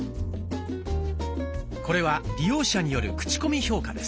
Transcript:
これは利用者によるクチコミ評価です。